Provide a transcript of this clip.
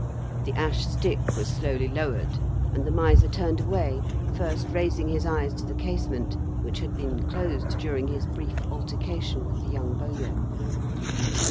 The ash stick was slowly lowered, and the miser turned away, first raising his eyes to the casement, which had been closed during his brief altercation with the young bowyer.